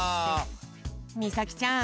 みさきちゃん